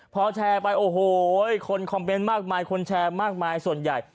พอแชร์ไปโอ้โหคนคอมเมนต์มากมายคนแชร์มากมายส่วนใหญ่